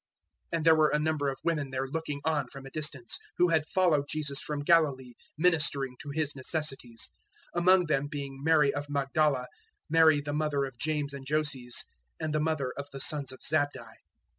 027:055 And there were a number of women there looking on from a distance, who had followed Jesus from Galilee ministering to His necessities; 027:056 among them being Mary of Magdala, Mary the mother of James and Joses, and the mother of the sons of Zabdi.